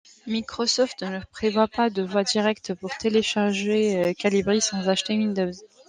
Microsoft ne prévoit pas de voie directe pour télécharger Calibri sans acheter Windows.